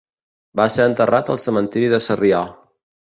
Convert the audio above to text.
Va ser enterrat al Cementiri de Sarrià.